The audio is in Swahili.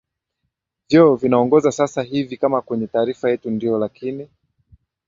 vyo vinaongoza sasa hivi kama kwenye taarifa yetu ndio lakini